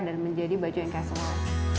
dan menjadi baju yang kaya semua